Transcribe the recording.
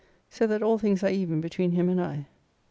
So that all things are even between him and I.